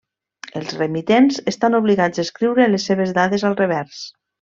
Els remitents estan obligats a escriure les seves dades al revers.